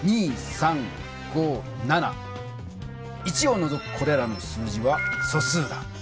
１をのぞくこれらの数字は「素数」だ。